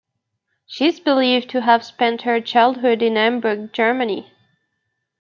She is believed to have spent her childhood in Hamburg, Germany.